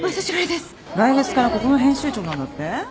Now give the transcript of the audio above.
来月からここの編集長なんだって？